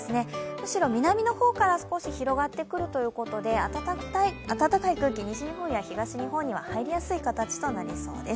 むしろ南の方から少し広がってくるということで暖かい空気、西日本や東日本は入りやすい形となりそうです。